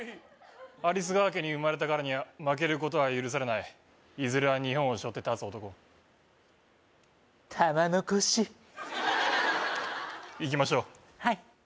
アリスガワ家に生まれたからには負けることは許されないいずれは日本を背負って立つ男玉の輿行きましょうはい